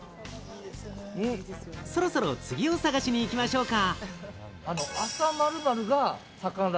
そろそろ次を探しに行きましょうか。